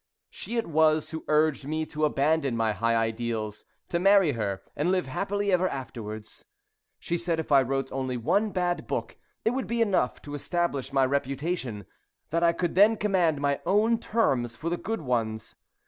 She it was who urged me to abandon my high ideals, to marry her, and live happily ever afterwards. She said if I wrote only one bad book it would be enough to establish my reputation; that I could then command my own terms for the good ones.